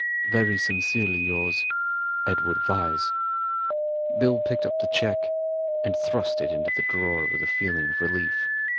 Very sincerely yours, "EDWARD VYSE." Bill picked up the cheque, and thrust it into the drawer with a feeling of relief.